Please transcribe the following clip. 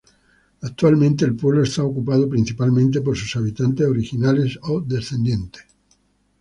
Actualmente el pueblo está ocupado principalmente por sus habitantes originales o descendientes.